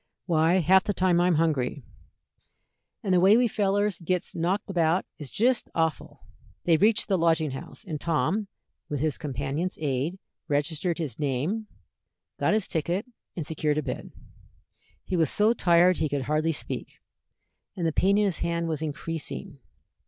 Why, half the time I'm hungry, and the way we fellers gits knocked about is jist awful." They reached the Lodging House, and Tom, with his companion's aid, registered his name, got his ticket, and secured a bed. He was so tired he could hardly speak, and the pain in his hand was increasing.